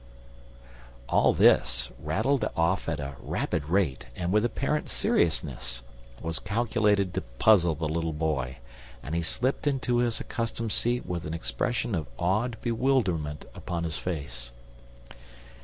All this, rattled off at a rapid rate and with apparent seriousness, was calculated to puzzle the little boy, and he slipped into his accustomed seat with an expression of awed bewilderment upon his face.